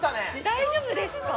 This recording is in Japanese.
大丈夫ですか？